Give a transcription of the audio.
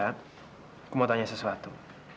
aku mau tanya sesuatu